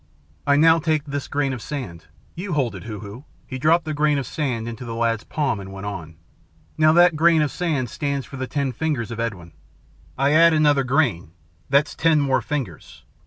I now take this grain of sand you hold it, Hoo Hoo." He dropped the grain of sand into the lad's palm and went on. "Now that grain of sand stands for the ten fingers of Edwin. I add another grain. That's ten more fingers.